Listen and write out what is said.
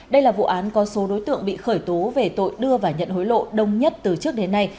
đây là vụ án có số đối tượng bị khởi tố về tội đưa và nhận hối lộ đông nhất từ trước đến nay